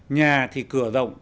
nhà thì cửa rộng